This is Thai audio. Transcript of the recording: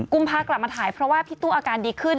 กุมพากลับมาถ่ายเพราะว่าพี่ตู้อาการดีขึ้น